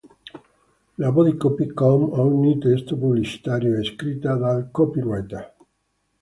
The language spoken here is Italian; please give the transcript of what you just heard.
La "body-copy", come ogni testo pubblicitario, è scritta dal copywriter.